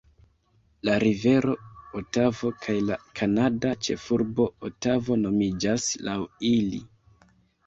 La Rivero Otavo kaj la kanada ĉefurbo Otavo nomiĝas laŭ ili.